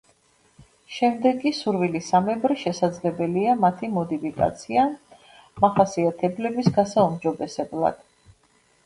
შემდეგ კი სურვილისამებრ შესაძლებელია მათი მოდიფიკაცია მახასიათებლების გასაუმჯობესებლად.